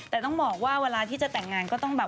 แต่งงานในวันที่๑๐กันอย่าง๒๕๕๙นี่แหละ